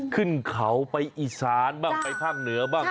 ขึ้นเขาไปอีสานบ้างไปภาคเหนือบ้าง